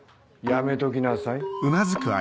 やめときなさい。